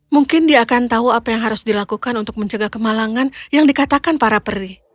mungkin dia akan tahu apa yang harus dilakukan untuk mencegah kemalangan yang dikatakan para peri